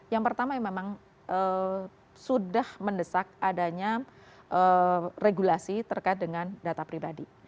yang pertama memang sudah mendesak adanya regulasi terkait dengan data pribadi